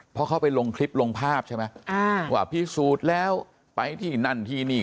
เพราะเขาไปลงคลิปลงภาพใช่ไหมว่าพิสูจน์แล้วไปที่นั่นที่นี่